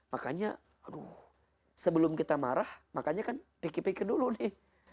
makanya aduh sebelum kita marah makanya kan pikir pikir dulu nih